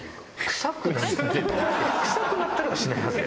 臭くなったりはしないはずだよ。